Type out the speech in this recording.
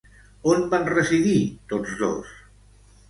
On van residir tots dos?